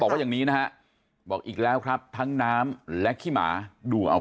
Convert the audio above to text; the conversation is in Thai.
ว่าอย่างนี้นะฮะบอกอีกแล้วครับทั้งน้ำและขี้หมาดูเอา